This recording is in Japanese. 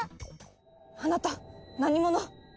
あなた何者？